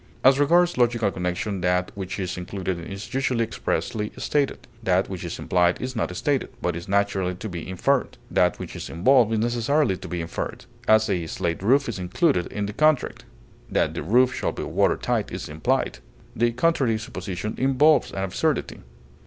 As regards logical connection that which is included is usually expressly stated; that which is implied is not stated, but is naturally to be inferred; that which is involved is necessarily to be inferred; as, a slate roof is included in the contract; that the roof shall be water tight is implied; the contrary supposition involves an absurdity.